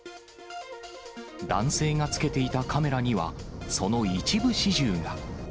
男性がつけていたカメラには、その一部始終が。